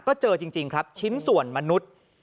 ก็เจอจริงครับชิ้นส่วนมนุษย์